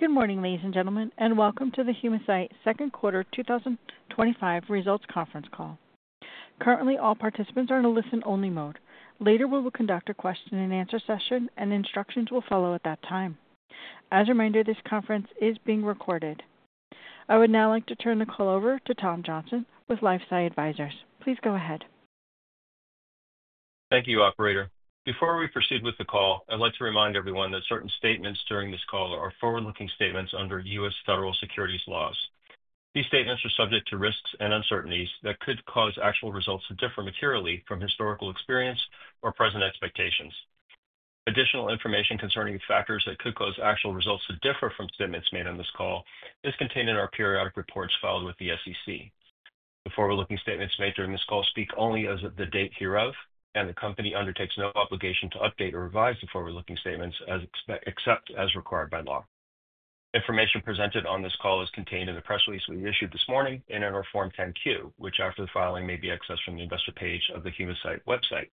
Good morning, ladies and gentlemen, and welcome to the Humacyte Second Quarter 2025 Results Conference Call. Currently, all participants are in a listen-only mode. Later, we will conduct a question and answer session, and instructions will follow at that time. As a reminder, this conference is being recorded. I would now like to turn the call over to Tom Johnson with LifeSci Advisors. Please go ahead. Thank you, Operator. Before we proceed with the call, I'd like to remind everyone that certain statements during this call are forward-looking statements under U.S. Federal Securities Laws. These statements are subject to risks and uncertainties that could cause actual results to differ materially from historical experience or present expectations. Additional information concerning factors that could cause actual results to differ from statements made on this call is contained in our periodic reports filed with the SEC. The forward-looking statements made during this call speak only as of the date hereof, and the company undertakes no obligation to update or revise the forward-looking statements except as required by law. Information presented on this call is contained in the press release we issued this morning in our Form 10-Q, which, after the filing, may be accessed from the investor page of the Humacyte website.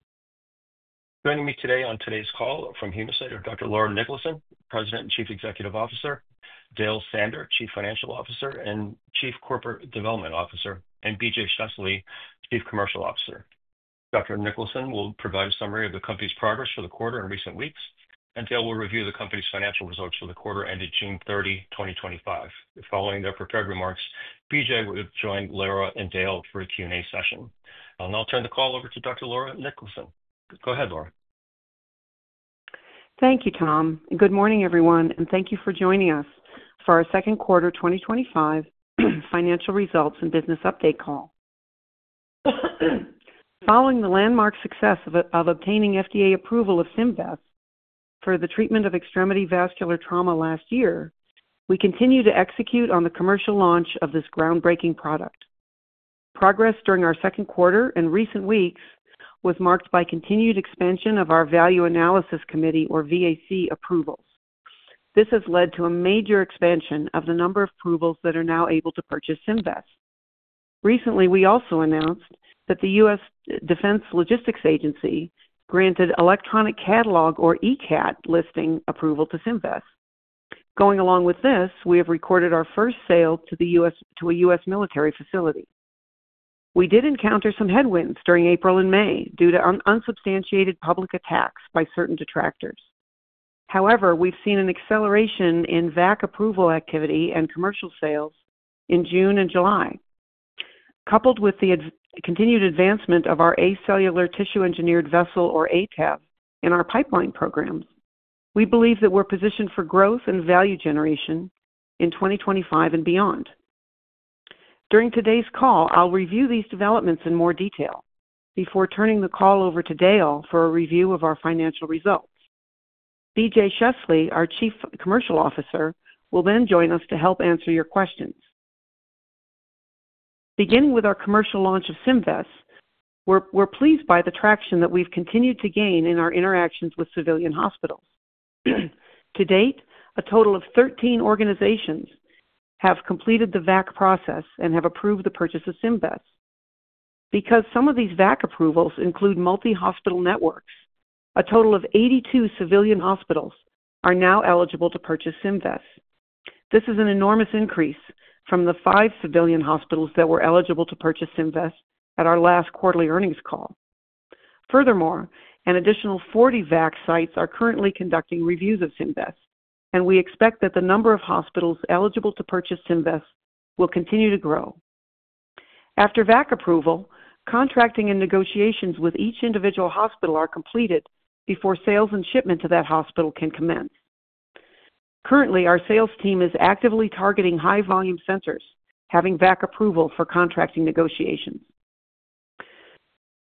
Joining me today on today's call from Humacyte are Dr. Laura Niklason, President and Chief Executive Officer, Dale Sander, Chief Financial Officer and Chief Corporate Development Officer, and BJ Scheessele, Chief Commercial Officer. Dr. Niklason will provide a summary of the company's progress for the quarter in recent weeks, and Dale will review the company's financial results for the quarter ended June 30, 2025. Following their prepared remarks, BJ will join Laura and Dale for a Q&A session. I'll turn the call over to Dr. Laura Niklason. Go ahead, Laura. Thank you, Tom. Good morning, everyone, and thank you for joining us for our Second Quarter 2025 Financial Results and Business Update Call. Following the landmark success of obtaining FDA approval of Symvess for the treatment of extremity vascular trauma last year, we continue to execute on the commercial launch of this groundbreaking product. Progress during our second quarter in recent weeks was marked by continued expansion of our Value Analysis Committee, or VAC, approvals. This has led to a major expansion of the number of approvals that are now able to purchase Symvess. Recently, we also announced that the U.S. Defense Logistics Agency granted Electronic Catalog, or ECAT, listing approval to Symvess. Going along with this, we have recorded our first sale to a U.S. military facility. We did encounter some headwinds during April and May due to unsubstantiated public attacks by certain detractors. However, we've seen an acceleration in VAC approval activity and commercial sales in June and July. Coupled with the continued advancement of our acellular tissue engineered vessel, or ATEV, in our pipeline program, we believe that we're positioned for growth and value generation in 2025 and beyond. During today's call, I'll review these developments in more detail before turning the call over to Dale for a review of our financial results. BJ Scheessele, our Chief Commercial Officer, will then join us to help answer your questions. Beginning with our commercial launch of Symvess, we're pleased by the traction that we've continued to gain in our interactions with civilian hospitals. To date, a total of 13 organizations have completed the VAC process and have approved the purchase of Symvess. Because some of these VAC approvals include multi-hospital networks, a total of 82 civilian hospitals are now eligible to purchase Symvess. This is an enormous increase from the five civilian hospitals that were eligible to purchase Symvess at our last quarterly earnings call. Furthermore, an additional 40 VAC sites are currently conducting reviews of Symvess, and we expect that the number of hospitals eligible to purchase Symvess will continue to grow. After VAC approval, contracting and negotiations with each individual hospital are completed before sales and shipment to that hospital can commence. Currently, our sales team is actively targeting high-volume centers, having VAC approval for contracting negotiations.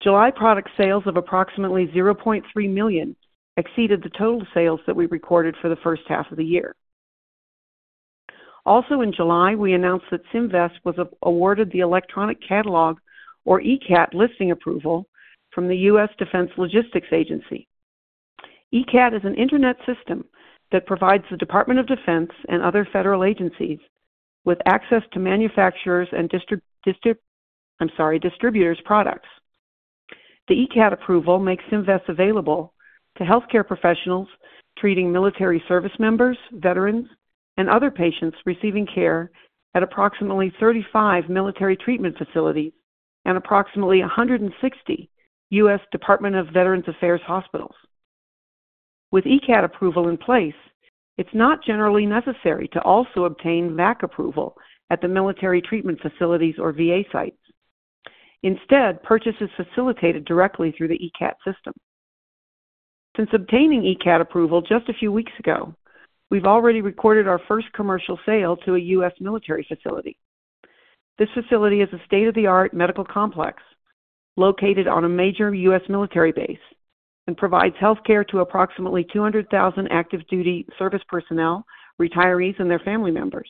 July product sales of approximately $0.3 million exceeded the total sales that we recorded for the first half of the year. Also in July, we announced that Symvess was awarded the Electronic Catalog, or ECAT, listing approval from the U.S. Defense Logistics Agency. ECAT is an internet system that provides the Department of Defense and other federal agencies with access to manufacturers' and distributors' products. The ECAT approval makes Symvess available to healthcare professionals treating military service members, veterans, and other patients receiving care at approximately 35 military treatment facilities and approximately 160 U.S. Department of Veterans Affairs hospitals. With ECAT approval in place, it's not generally necessary to also obtain VAC approval at the military treatment facilities or VA sites. Instead, purchase is facilitated directly through the ECAT system. Since obtaining ECAT approval just a few weeks ago, we've already recorded our first commercial sale to a U.S. military facility. This facility is a state-of-the-art medical complex located on a major U.S. military base and provides healthcare to approximately 200,000 active duty service personnel, retirees, and their family members.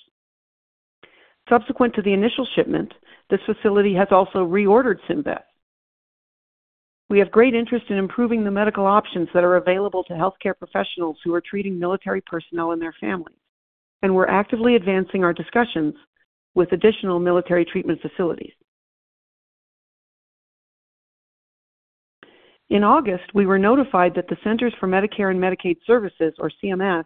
Subsequent to the initial shipment, this facility has also reordered Symvess. We have great interest in improving the medical options that are available to healthcare professionals who are treating military personnel and their families, and we're actively advancing our discussions with additional military treatment facilities. In August, we were notified that the Centers for Medicare & Medicaid Services, or CMS,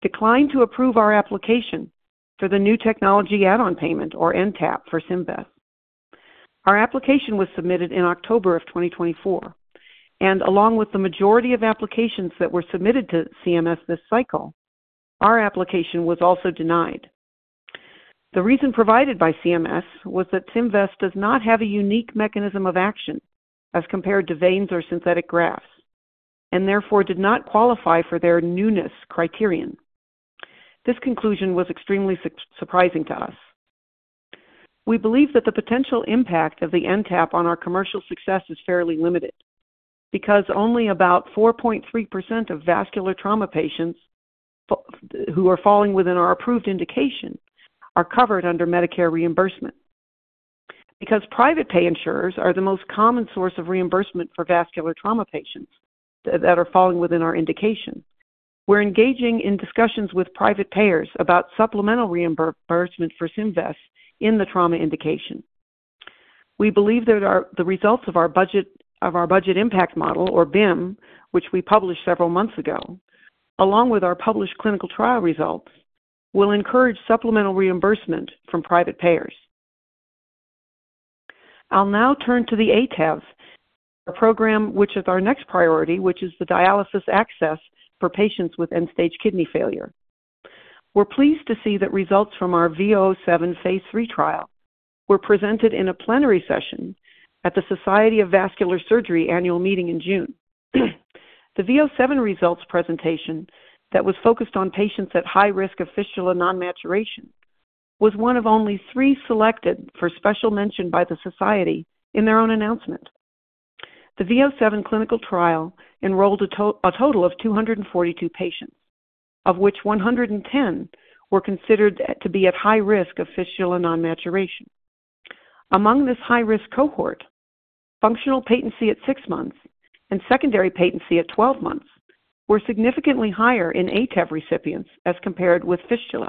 declined to approve our application for the New Technology Add-on Payment, or NTAP, for Symvess. Our application was submitted in October of 2024, and along with the majority of applications that were submitted to CMS this cycle, our application was also denied. The reason provided by CMS was that Symvess does not have a unique mechanism of action as compared to veins or synthetic grafts and therefore did not qualify for their newness criterion. This conclusion was extremely surprising to us. We believe that the potential impact of the NTAP on our commercial success is fairly limited because only about 4.3% of vascular trauma patients who are falling within our approved indication are covered under Medicare reimbursement. Because private pay insurers are the most common source of reimbursement for vascular trauma patients that are falling within our indication, we're engaging in discussions with private payers about supplemental reimbursement for Symvess in the trauma indication. We believe that the results of our budget impact model, or BIM, which we published several months ago, along with our published clinical trial results, will encourage supplemental reimbursement from private payers. I'll now turn to the ATEV program, which is our next priority, which is the dialysis access for patients with end-stage kidney failure. We're pleased to see that results from our V007 phase III trial were presented in a plenary session at the Society of Vascular Surgery annual meeting in June. The V007 results presentation that was focused on patients at high risk of fistula non-maturation was one of only three selected for special mention by the Society in their own announcement. The V007 clinical trial enrolled a total of 242 patients, of which 110 were considered to be at high risk of fistula non-maturation. Among this high-risk cohort, functional patency at six months and secondary patency at 12 months were significantly higher in ATEV recipients as compared with fistula.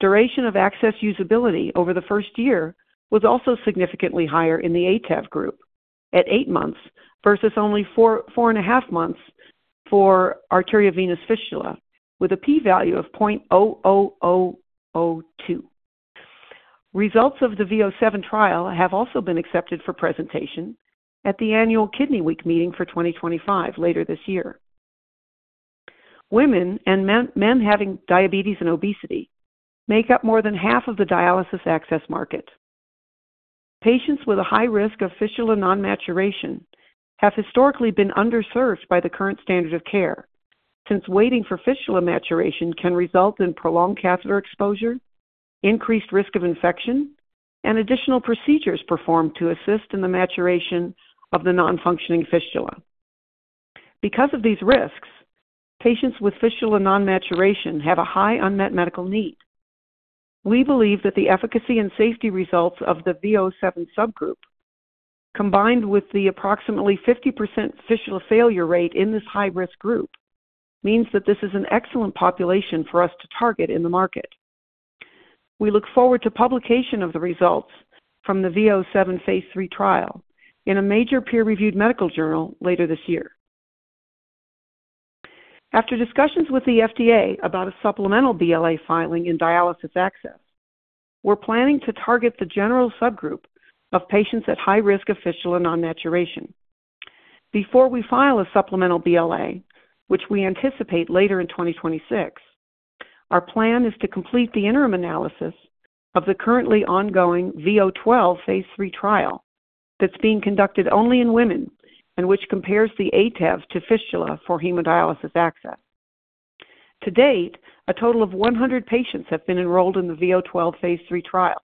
Duration of access usability over the first year was also significantly higher in the ATEV group at eight months versus only 4.5 months for arteriovenous fistula with a p-value of 0.00002. Results of the V007 trial have also been accepted for presentation at the annual Kidney Week meeting for 2025 later this year. Women and men having diabetes and obesity make up more than half of the dialysis access market. Patients with a high risk of fistula non-maturation have historically been underserved by the current standard of care, since waiting for fistula maturation can result in prolonged catheter exposure, increased risk of infection, and additional procedures performed to assist in the maturation of the non-functioning fistula. Because of these risks, patients with fistula non-maturation have a high unmet medical need. We believe that the efficacy and safety results of the V007 subgroup, combined with the approximately 50% fistula failure rate in this high-risk group, means that this is an excellent population for us to target in the market. We look forward to publication of the results from the V007 Phase III trial in a major peer-reviewed medical journal later this year. After discussions with the FDA about a supplemental BLA filing in dialysis access, we're planning to target the general subgroup of patients at high risk of fistula non-maturation. Before we file a supplemental BLA, which we anticipate later in 2026, our plan is to complete the interim analysis of the currently ongoing V012 phase III trial that's being conducted only in women and which compares the ATEV to fistula for hemodialysis access. To date, a total of 100 patients have been enrolled in the V012 phase III trial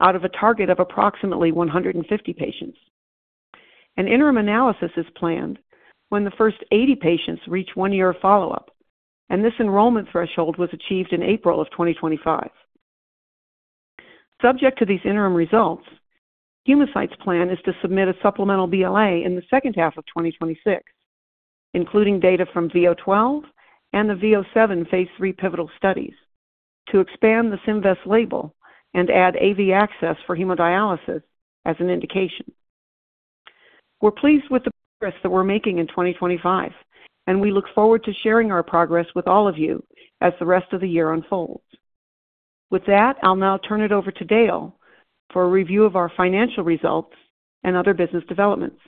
out of a target of approximately 150 patients. An interim analysis is planned when the first 80 patients reach one year of follow-up, and this enrollment threshold was achieved in April of 2025. Subject to these interim results, Humacyte's plan is to submit a supplemental BLA in the second half of 2026, including data from V012 and the V007 phase III pivotal studies to expand the Symvess label and add AV access for hemodialysis as an indication. We're pleased with the progress that we're making in 2025, and we look forward to sharing our progress with all of you as the rest of the year unfolds with that. I'll now turn it over to Dale for a review of our financial results and other business developments.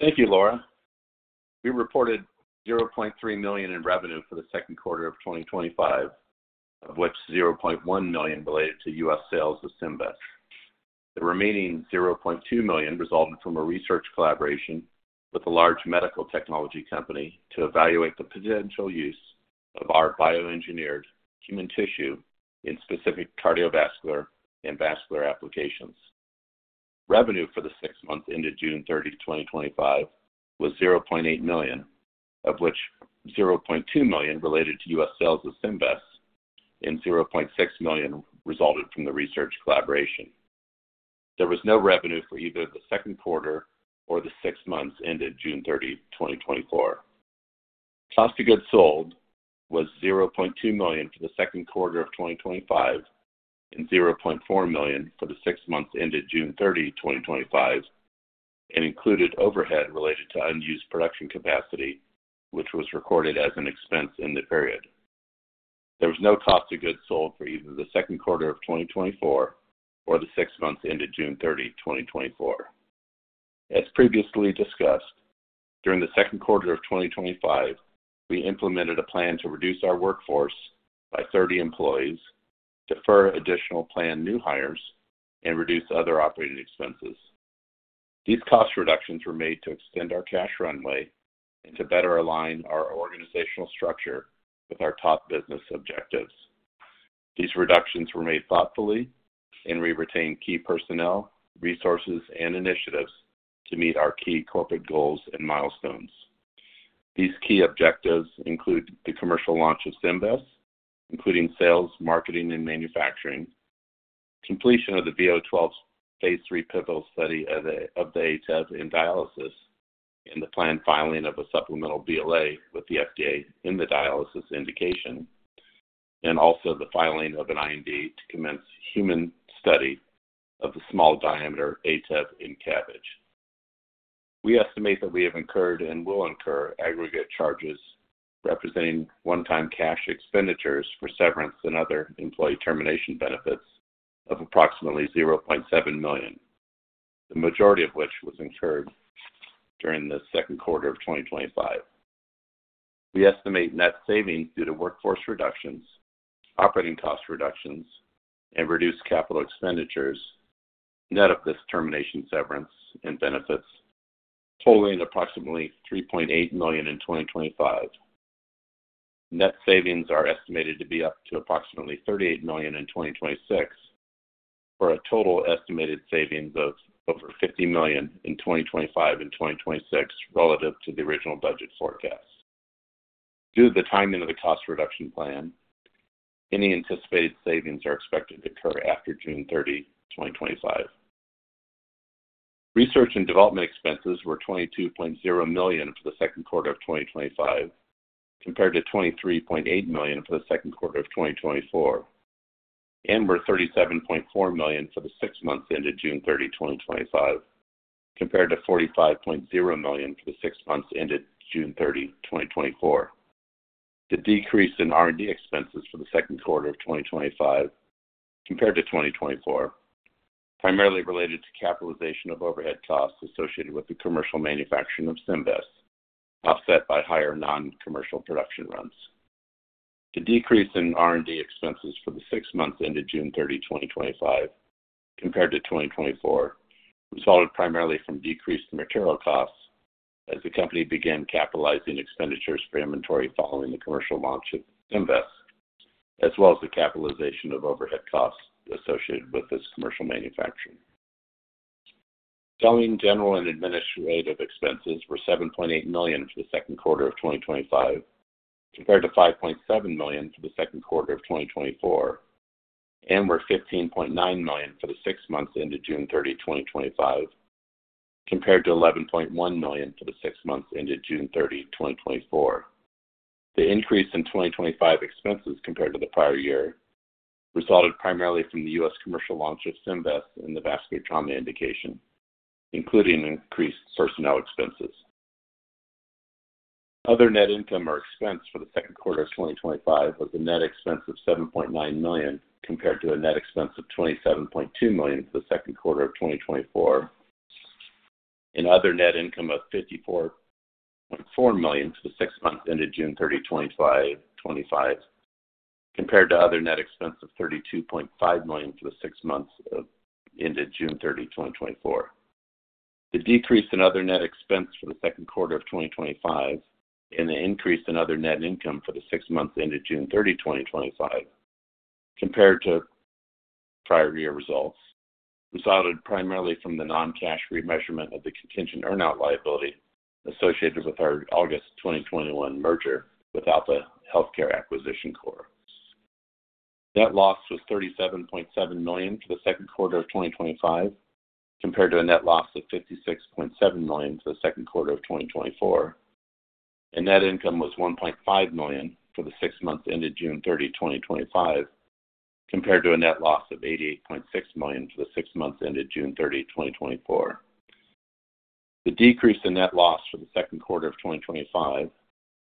Thank you, Laura. We reported $0.3 million in revenue for the second quarter of 2025, of which $0.1 million related to U.S. sales of Symvess. The remaining $0.2 million resulted from a research collaboration with a large medical technology company to evaluate the potential use of our bioengineered human tissue in specific cardiovascular and vascular applications. Revenue for the six months ended June 30, 2025 was $0.8 million, of which $0.2 million related to U.S. sales of Symvess and $0.6 million resulted from the research collaboration. There was no revenue for either the second quarter or the six months ended June 30, 2024. Cost of goods sold was $0.2 million for the second quarter of 2025 and $0.4 million for the six months ended June 30, 2025, and included overhead related to unused production capacity, which was recorded as an expense in the period. There was no cost of goods sold for either the second quarter of 2024 or the six months ended June 30, 2024. As previously discussed, during the second quarter of 2025, we implemented a plan to reduce our workforce by 30 employees, defer additional planned new hires, and reduce other operating expenses. These cost reductions were made to extend our cash runway and to better align our organizational structure with our top business objectives. These reductions were made thoughtfully, and we retained key personnel, resources, and initiatives to meet our key corporate goals and milestones. These key objectives include the commercial launch of Symvess, including sales, marketing, and manufacturing, completion of the V012 phase III pivotal study of the ATEV in dialysis, and the planned filing of a supplemental BLA with the FDA in the dialysis indication, and also the filing of an IND to commence human study of the small diameter ATEV in coronary artery bypass grafting. We estimate that we have incurred and will incur aggregate charges representing one-time cash expenditures for severance and other employee termination benefits of approximately $0.7 million, the majority of which was incurred during the second quarter of 2025. We estimate net savings due to workforce reductions, operating cost reductions, and reduced capital expenditures net of this termination severance and benefits, totaling approximately $3.8 million in 2025. Net savings are estimated to be up to approximately $38 million in 2026, for a total estimated savings of over $50 million in 2025 and 2026 relative to the original budget forecast. Due to the timing of the cost reduction plan, any anticipated savings are expected to occur after June 30, 2025. Research and development expenses were $22.0 million for the second quarter of 2025, compared to $23.8 million for the second quarter of 2024, and were $37.4 million for the six months ended June 30, 2025, compared to $45.0 million for the six months ended June 30, 2024. The decrease in R&D expenses for the second quarter of 2025 compared to 2024 is primarily related to capitalization of overhead costs associated with the commercial manufacturing of Symvess, offset by higher non-commercial production runs. The decrease in R&D expenses for the six months ended June 30, 2025, compared to 2024, resulted primarily from decreased material costs as the company began capitalizing expenditures for inventory following the commercial launch of Symvess, as well as the capitalization of overhead costs associated with this commercial manufacturing. General and administrative expenses were $7.8 million for the second quarter of 2025, compared to $5.7 million for the second quarter of 2024, and were $15.9 million for the six months ended June 30, 2025, compared to $11.1 million for the six months ended June 30, 2024. The increase in 2025 expenses compared to the prior year resulted primarily from the U.S. commercial launch of Symvess in the vascular trauma indication, including increased personnel expenses. Other net income or expense for the second quarter of 2025 was a net expense of $7.9 million compared to a net expense of $27.2 million for the second quarter of 2024, and other net income of $54.4 million for the six months ended June 30, 2025, compared to other net expense of $32.5 million for the six months ended June 30, 2024. The decrease in other net expense for the second quarter of 2025 and the increase in other net income for the six months ended June 30, 2025, compared to prior year results, resulted primarily from the non-cash remeasurement of the contingent earnout liability associated with our August 2021 merger with Alpha Healthcare Acquisition Corp. Net loss was $37.7 million for the second quarter of 2025, compared to a net loss of $56.7 million for the second quarter of 2024, and net income was $1.5 million for the six months ended June 30, 2025, compared to a net loss of $88.6 million for the six months ended June 30, 2024. The decrease in net loss for the second quarter of 2025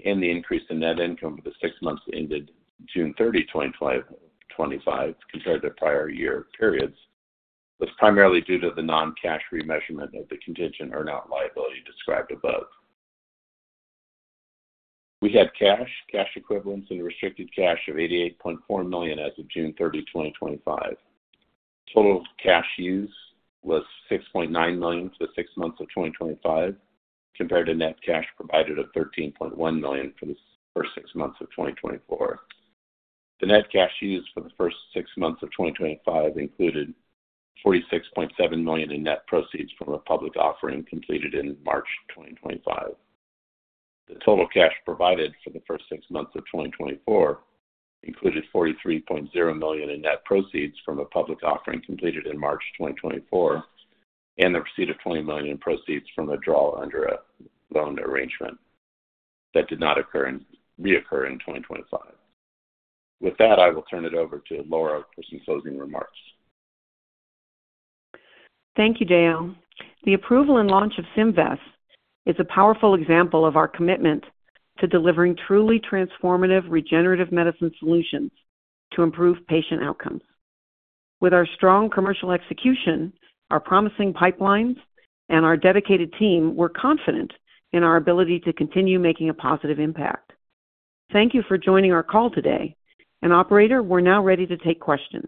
and the increase in net income for the six months ended June 30, 2025, compared to the prior year periods, was primarily due to the non-cash remeasurement of the contingent earnout liability described above. We had cash, cash equivalents, and restricted cash of $88.4 million as of June 30, 2025. Total cash use was $6.9 million for the six months of 2025, compared to net cash provided of $13.1 million for the first six months of 2024. The net cash used for the first six months of 2025 included $46.7 million in net proceeds from a public offering completed in March 2025. The total cash provided for the first six months of 2024 included $43.0 million in net proceeds from a public offering completed in March 2024 and the receipt of $20 million in proceeds from a draw under a loan arrangement that did not reoccur in 2025. With that, I will turn it over to Laura for some closing remarks. Thank you, Dale. The approval and launch of Symvess is a powerful example of our commitment to delivering truly transformative regenerative medicine solutions to improve patient outcomes. With our strong commercial execution, our promising pipelines, and our dedicated team, we're confident in our ability to continue making a positive impact. Thank you for joining our call today. Operator, we're now ready to take questions.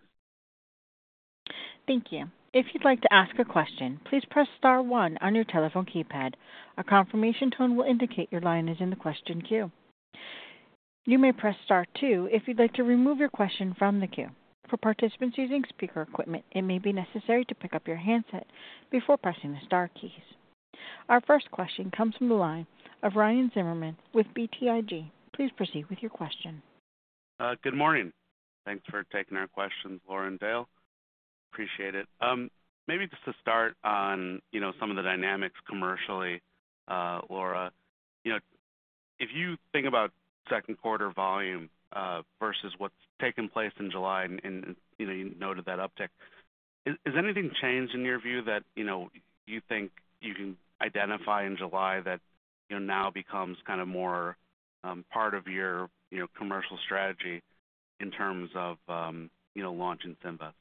Thank you. If you'd like to ask a question, please press star one on your telephone keypad. A confirmation tone will indicate your line is in the question queue. You may press star two if you'd like to remove your question from the queue. For participants using speaker equipment, it may be necessary to pick up your handset before pressing the star keys. Our first question comes from the line of Ryan Zimmerman with BTIG. Please proceed with your question. Good morning. Thanks for taking our questions, Laura and Dale. Appreciate it. Maybe just to start on some of the dynamics commercially, Laura. If you think about second quarter volume versus what's taken place in July, and you noted that uptick, has anything changed in your view that you think you can identify in July that now becomes kind of more part of your commercial strategy in terms of launching Symvess?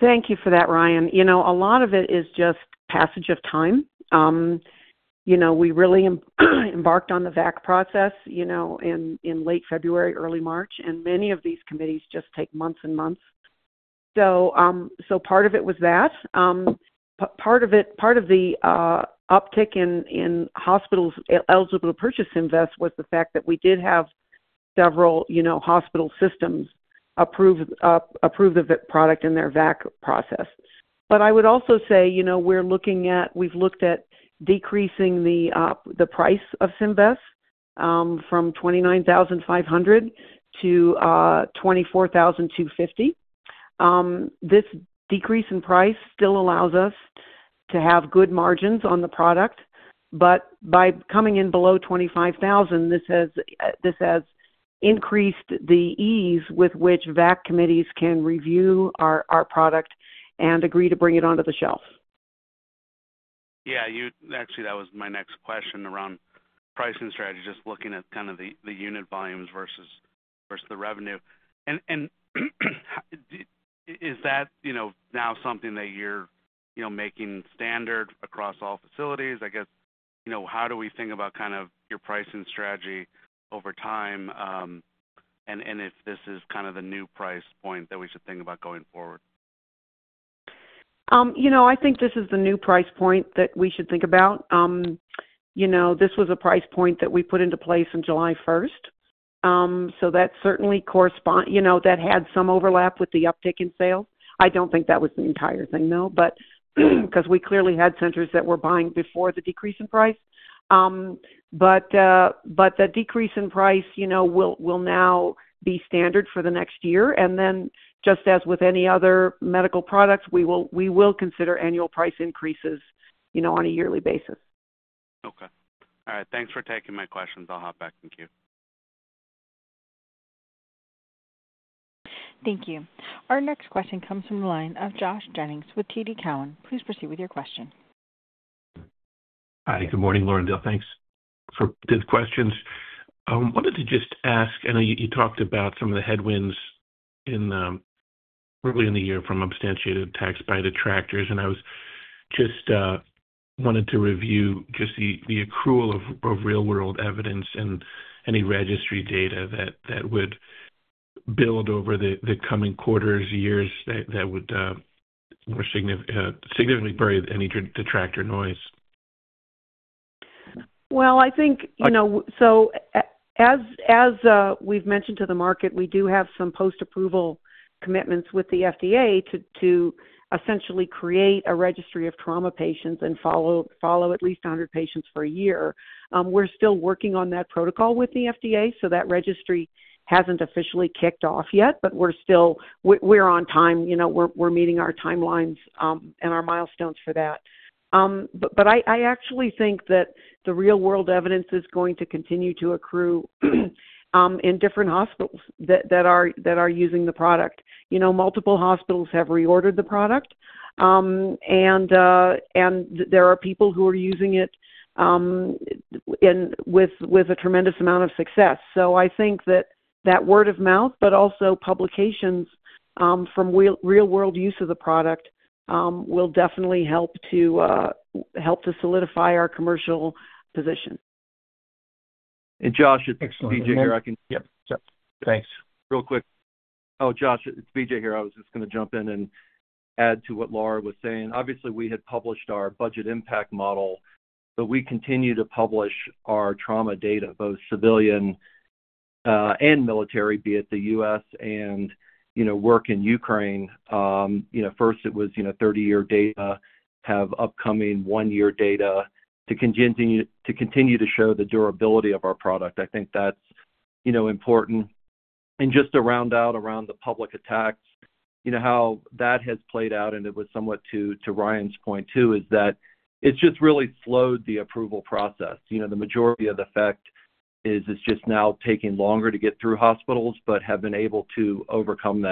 Thank you for that, Ryan. A lot of it is just passage of time. We really embarked on the VAC process in late February, early March, and many of these committees just take months and months. Part of it was that. Part of the uptick in hospitals eligible to purchase Symvess was the fact that we did have several hospital systems approve the product in their VAC process. I would also say we're looking at, we've looked at decreasing the price of Symvess from $29,500-$24,250. This decrease in price still allows us to have good margins on the product, but by coming in below $25,000, this has increased the ease with which VAC committees can review our product and agree to bring it onto the shelf. Yeah, that was my next question around pricing strategy, just looking at the unit volumes versus the revenue. Is that now something that you're making standard across all facilities? I guess, how do we think about your pricing strategy over time? If this is the new price point that we should think about going forward? I think this is the new price point that we should think about. This was a price point that we put into place on July 1st. That certainly corresponds, that had some overlap with the uptick in sale. I don't think that was the entire thing, though, because we clearly had centers that were buying before the decrease in price. The decrease in price will now be standard for the next year. Just as with any other medical products, we will consider annual price increases on a yearly basis. Okay. All right. Thanks for taking my questions. I'll hop back in queue. Thank you. Our next question comes from the line of Josh Jennings with TD Cowen. Please proceed with your question. Hi. Good morning, Laura and Dale. Thanks for the questions. I wanted to just ask, I know you talked about some of the headwinds early in the year from substantiated attacks by detractors, and I just wanted to review the accrual of real-world evidence and any registry data that would build over the coming quarters, years that would significantly bury any detractor noise. As we've mentioned to the market, we do have some post-approval commitments with the FDA to essentially create a registry of trauma patients and follow at least 100 patients for a year. We're still working on that protocol with the FDA, so that registry hasn't officially kicked off yet, but we're on time, we're meeting our timelines and our milestones for that. I actually think that the real-world evidence is going to continue to accrue in different hospitals that are using the product. Multiple hospitals have reordered the product, and there are people who are using it with a tremendous amount of success. I think that word of mouth, but also publications from real-world use of the product, will definitely help to solidify our commercial position. Josh, it's BJ here. I can. Yep, thanks. Real quick. Oh, Josh, it's BJ here. I was just going to jump in and add to what Laura was saying. Obviously, we had published our budget impact model, but we continue to publish our trauma data, both civilian and military, be it the U.S. and, you know, work in Ukraine. First it was 30-year data, have upcoming one-year data to continue to show the durability of our product. I think that's important. Just to round out around the public attacks, how that has played out, and it was somewhat to Ryan's point too, is that it's just really slowed the approval process. The majority of the fact is it's just now taking longer to get through hospitals, but have been able to overcome that.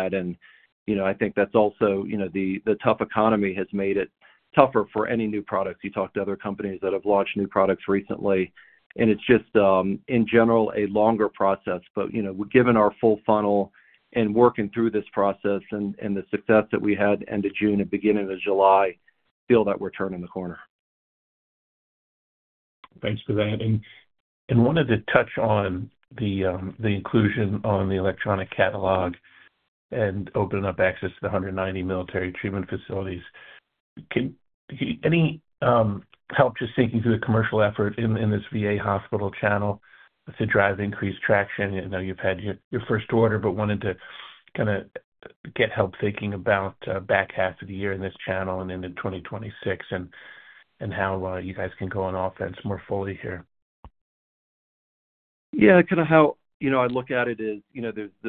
I think that's also, the tough economy has made it tougher for any new products. You talk to other companies that have launched new products recently, and it's just, in general, a longer process. Given our full funnel and working through this process and the success that we had end of June and beginning of July, I feel that we're turning the corner. Thanks for that. I wanted to touch on the inclusion on the electronic catalog and opening up access to the 190 military treatment facilities. Can you help just thinking through a commercial effort in this VA hospital channel to drive increased traction? I know you've had your first order, but wanted to kind of get help thinking about back half of the year in this channel and into 2026 and how you guys can go on offense more fully here. Yeah, kind of how I look at it is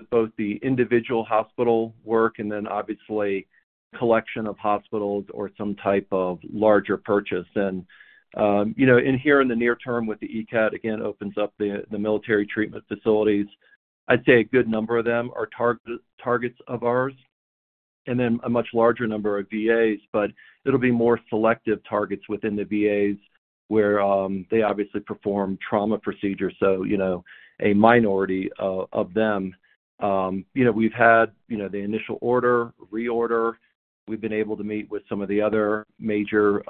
both the individual hospital work and then obviously a collection of hospitals or some type of larger purchase. In the near term with the ECAT, again, opens up the military treatment facilities. I'd say a good number of them are targets of ours and then a much larger number of VAs, but it'll be more selective targets within the VAs where they obviously perform trauma procedures. A minority of them, we've had the initial order, reorder. We've been able to meet with some of the other major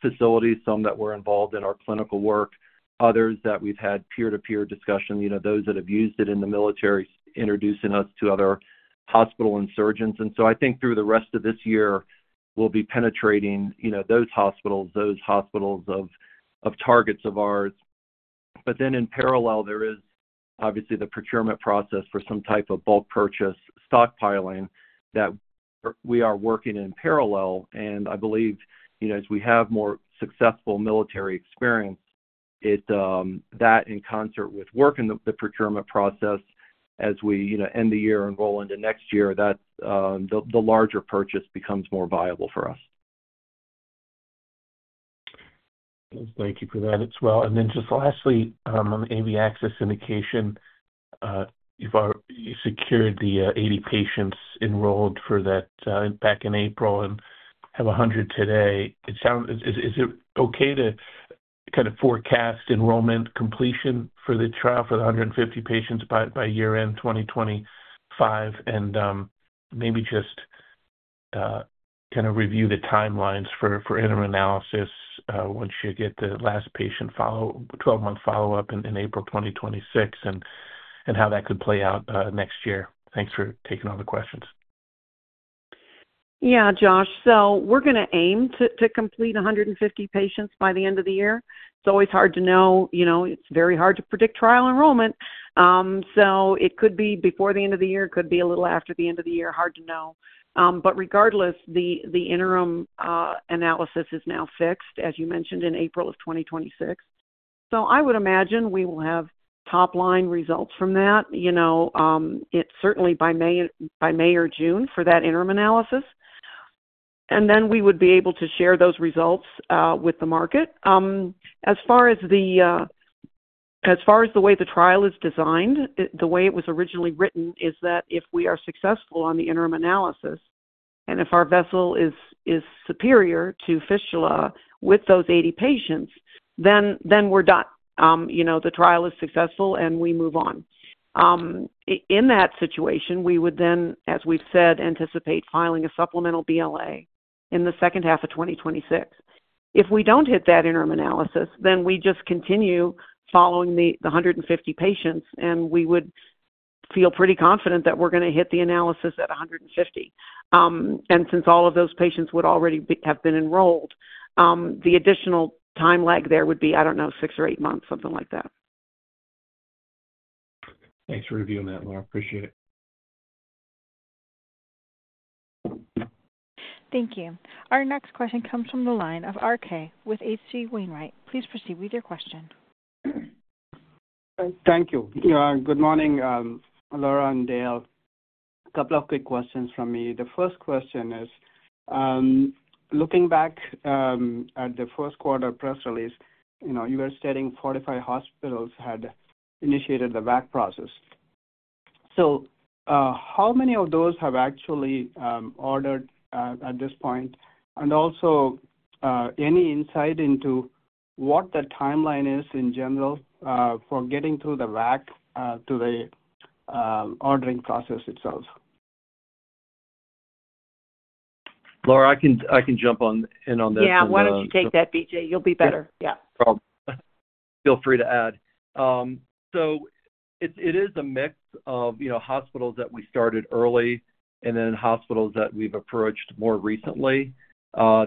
facilities, some that were involved in our clinical work, others that we've had peer-to-peer discussions, those that have used it in the military introducing us to other hospitals and surgeons. I think through the rest of this year, we'll be penetrating those hospitals, those hospitals of targets of ours. In parallel, there is obviously the procurement process for some type of bulk purchase, stockpiling that we are working in parallel. I believe as we have more successful military experience, that in concert with work in the procurement process, as we end the year and roll into next year, that the larger purchase becomes more viable for us. Thank you for that as well. Lastly, on the AV access indication, you've secured the 80 patients enrolled for that back in April and have 100 today. Is it okay to forecast enrollment completion for the trial for the 150 patients by year-end 2025 and maybe review the timelines for interim analysis once you get the last patient follow-up, 12-month follow-up in April 2026 and how that could play out next year? Thanks for taking all the questions. Yeah, Josh. We're going to aim to complete 150 patients by the end of the year. It's always hard to know. It's very hard to predict trial enrollment. It could be before the end of the year, it could be a little after the end of the year. Hard to know. Regardless, the interim analysis is now fixed, as you mentioned, in April of 2026. I would imagine we will have top-line results from that, certainly by May or June for that interim analysis. We would be able to share those results with the market. As far as the way the trial is designed, the way it was originally written is that if we are successful on the interim analysis and if our vessel is superior to fistula with those 80 patients, then we're done. The trial is successful and we move on. In that situation, we would then, as we've said, anticipate filing a supplemental BLA in the second half of 2026. If we don't hit that interim analysis, we just continue following the 150 patients, and we would feel pretty confident that we're going to hit the analysis at 150. Since all of those patients would already have been enrolled, the additional time lag there would be, I don't know, six or eight months, something like that. Thanks for reviewing that, Laura. Appreciate it. Thank you. Our next question comes from the line of RK with H.C. Wainwright. Please proceed with your question. Thank you. Good morning, Laura and Dale. A couple of quick questions from me. The first question is, looking back at the first quarter press release, you were stating 45 hospitals had initiated the VAC process. How many of those have actually ordered at this point? Also, any insight into what the timeline is in general for getting through the VAC to the ordering process itself? Laura, I can jump in on this. Yeah, why don't you take that, BJ? You'll be better. Yeah. Feel free to add. It is a mix of hospitals that we started early and then hospitals that we've approached more recently, a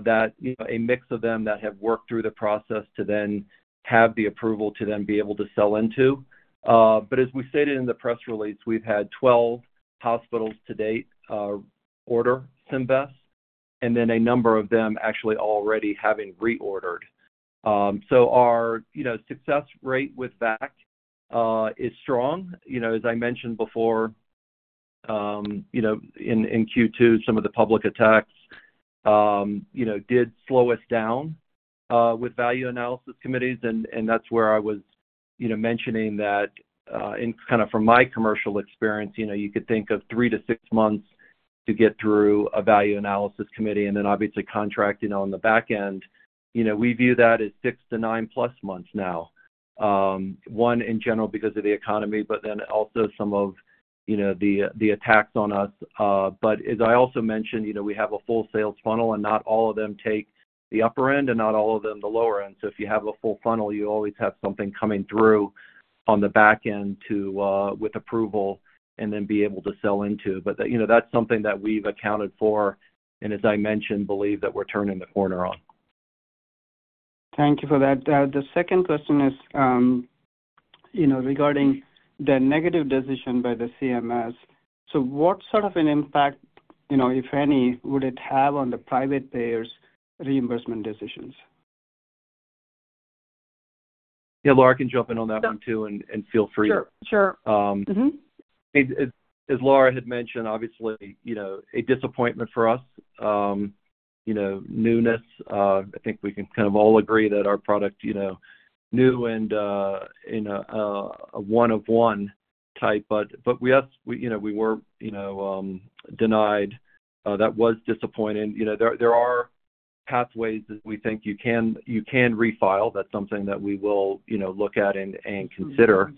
mix of them that have worked through the process to then have the approval to then be able to sell into. As we stated in the press release, we've had 12 hospitals to date order Symvess and then a number of them actually already having reordered. Our success rate with VAC is strong. As I mentioned before, in Q2, some of the public attacks did slow us down with value analysis committees. That is where I was mentioning that from my commercial experience, you could think of three to six months to get through a value analysis committee and then obviously contracting on the back end. We view that as six to nine plus months now, in general because of the economy, but also some of the attacks on us. As I also mentioned, we have a full sales funnel and not all of them take the upper end and not all of them the lower end. If you have a full funnel, you always have something coming through on the back end with approval and then be able to sell into. That is something that we've accounted for and, as I mentioned, believe that we're turning the corner on. Thank you for that. The second question is regarding the negative decision by the CMS. What sort of an impact, if any, would it have on the private payers' reimbursement decisions? Yeah, Laura, I can jump in on that one too, and feel free. Sure, sure. As Laura had mentioned, obviously, a disappointment for us. Newness. I think we can kind of all agree that our product is new and a one-of-one type. We asked, we were denied. That was disappointing. There are pathways that we think you can refile. That's something that we will look at and consider.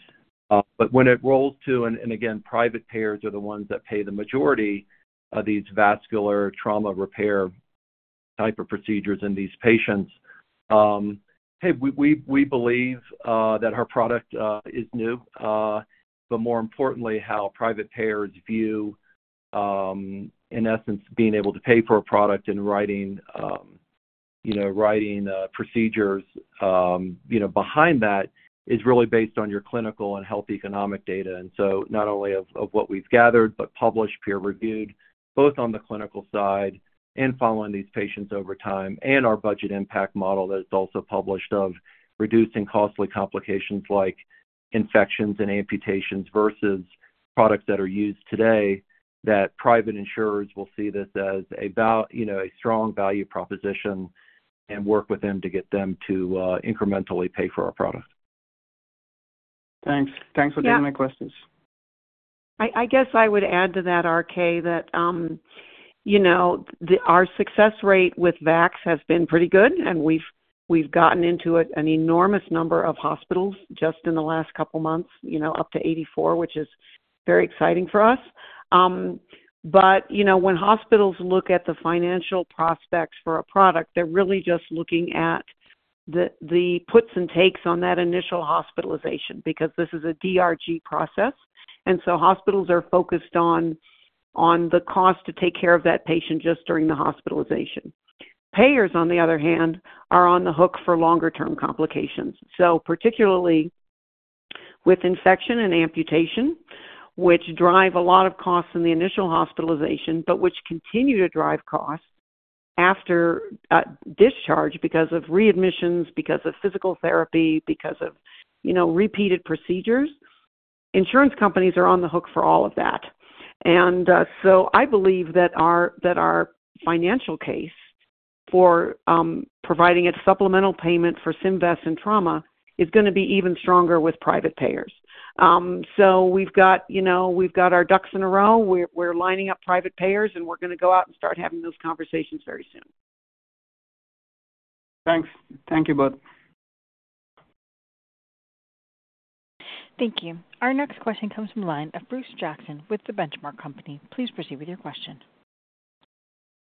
When it rolls to, again, private payers are the ones that pay the majority of these vascular trauma repair type of procedures in these patients. We believe that our product is new, but more importantly, how private payers view, in essence, being able to pay for a product and writing procedures behind that is really based on your clinical and health economic data. Not only of what we've gathered, but published, peer-reviewed, both on the clinical side and following these patients over time, and our budget impact model that's also published of reducing costly complications like infections and amputations versus products that are used today, that private insurers will see this as a strong value proposition and work with them to get them to incrementally pay for our product. Thanks. Thanks for taking my questions. I guess I would add to that, RK, that our success rate with VACs has been pretty good, and we've gotten into an enormous number of hospitals just in the last couple of months, up to 84, which is very exciting for us. When hospitals look at the financial prospects for a product, they're really just looking at the puts and takes on that initial hospitalization because this is a DRG process. Hospitals are focused on the cost to take care of that patient just during the hospitalization. Payers, on the other hand, are on the hook for longer-term complications, particularly with infection and amputation, which drive a lot of costs in the initial hospitalization but continue to drive costs after discharge because of readmissions, because of physical therapy, because of repeated procedures. Insurance companies are on the hook for all of that. I believe that our financial case for providing a supplemental payment for Symvess and trauma is going to be even stronger with private payers. We've got our ducks in a row. We're lining up private payers, and we're going to go out and start having those conversations very soon. Thanks. Thank you both. Thank you. Our next question comes from the line of Bruce Jackson with The Benchmark Company. Please proceed with your question.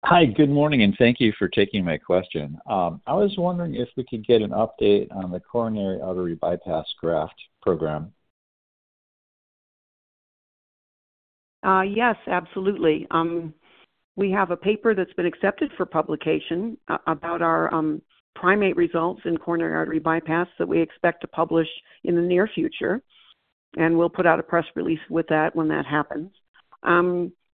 Hi. Good morning, and thank you for taking my question. I was wondering if we could get an update on the coronary artery bypass graft program. Yes, absolutely. We have a paper that's been accepted for publication about our primate results in coronary artery bypass that we expect to publish in the near future. We will put out a press release with that when that happens.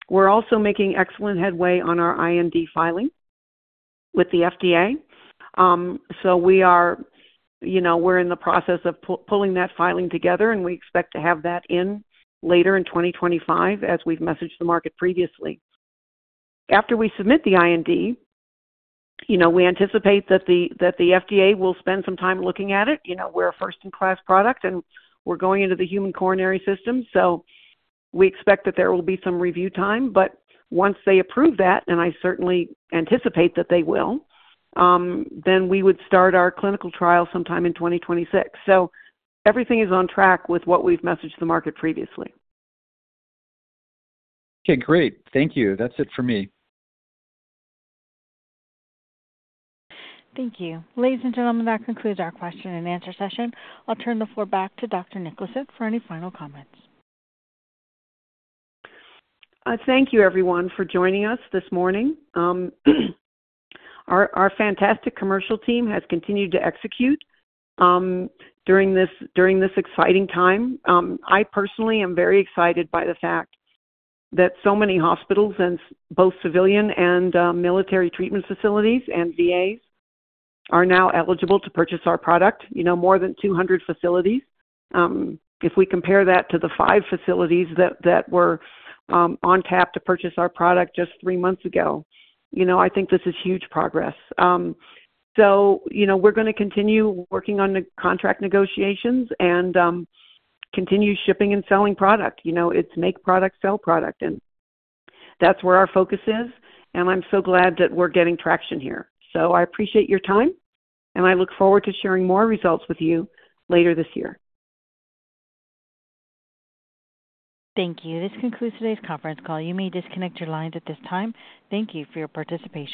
We're also making excellent headway on our IND filing with the FDA. We are in the process of pulling that filing together, and we expect to have that in later in 2025 as we've messaged the market previously. After we submit the IND, we anticipate that the FDA will spend some time looking at it. We're a first-in-class product, and we're going into the human coronary system. We expect that there will be some review time. Once they approve that, and I certainly anticipate that they will, we would start our clinical trial sometime in 2026. Everything is on track with what we've messaged the market previously. Okay, great. Thank you. That's it for me. Thank you. Ladies and gentlemen, that concludes our question and answer session. I'll turn the floor back to Dr. Niklason for any final comments. Thank you, everyone, for joining us this morning. Our fantastic commercial team has continued to execute during this exciting time. I personally am very excited by the fact that so many hospitals and both civilian and military treatment facilities and VAs are now eligible to purchase our product. More than 200 facilities. If we compare that to the five facilities that were on tap to purchase our product just three months ago, I think this is huge progress. We're going to continue working on the contract negotiations and continue shipping and selling product. It's make product, sell product. That's where our focus is. I'm so glad that we're getting traction here. I appreciate your time, and I look forward to sharing more results with you later this year. Thank you. This concludes today's conference call. You may disconnect your lines at this time. Thank you for your participation.